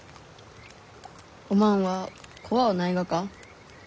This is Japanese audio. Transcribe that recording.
おまんは怖うないがか？